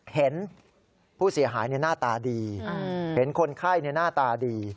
เห็นผู้เสียหายหน้าตาดีเห็นคนไข้หน้าตาดี